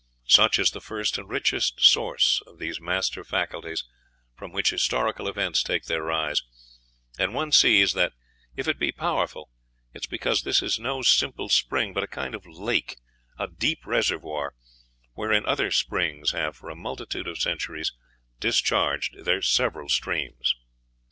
Such is the first and richest source of these master faculties from which historical events take their rise; and one sees that if it be powerful it is because this is no simple spring, but a kind of lake, a deep reservoir, wherein other springs have, for a multitude of centuries, discharged their several streams."